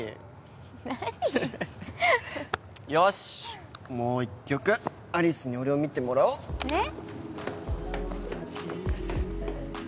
何よしもう１曲有栖に俺を見てもらおうえっ？